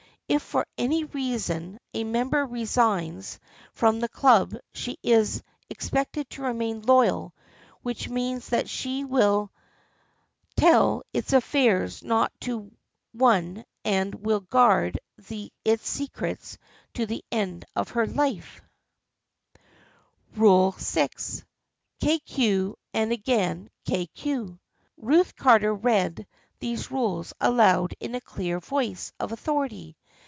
If for any reason a member resigns from the club she is expected to remain loyal, which means that she will tell its affairs to no one and will guard its secrets to the end of her life. THE FRIENDSHIP OF ANNE 57 " Rule VI. K. Q. and again K. Q." Ruth Carter read these rules aloud in a clear voice of authority.